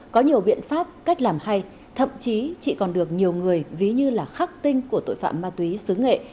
có nhiều biện pháp cách làm hay thậm chí chị còn được nhiều người ví như là khắc tinh của tội phạm ma túy xứ nghệ